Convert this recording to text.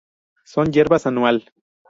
Son hierbas, anual.